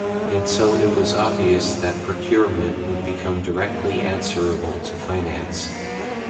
And so it was obvious that Procurement would become directly answerable to Finance.